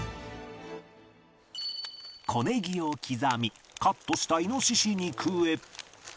小ネギを刻みカットした猪肉へ